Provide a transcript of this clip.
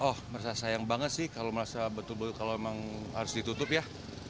oh merasa sayang banget sih kalau memang harus ditutup ya